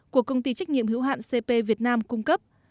của công ty trách nhiệm hữu hạn cp việt nam cung cấp